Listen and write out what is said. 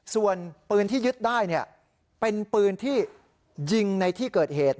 ส่วนปืนที่ยึดได้เป็นปืนที่ยิงในที่เกิดเหตุ